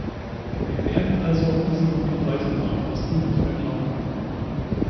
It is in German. Wir werden also auf diesem Gebiet weitermachen, das dürfen Sie mir glauben.